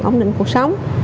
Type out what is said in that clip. ổn định cuộc sống